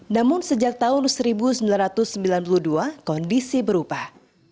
namun sejak tahun seribu sembilan ratus sembilan puluh dua kondisi berubah